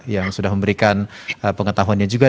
yang sudah memberikan pengetahuannya juga